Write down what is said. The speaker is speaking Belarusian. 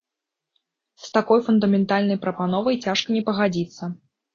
З такой фундаментальнай прапановай цяжка не пагадзіцца.